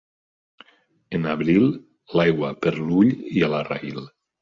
En abril, l'aigua per l'ull i la raïl.